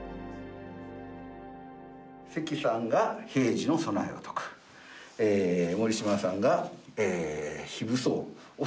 関さんが平時の備えを説く森嶋さんが非武装を説く。